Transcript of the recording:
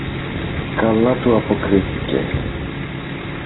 Καλά του αποκρίθηκες!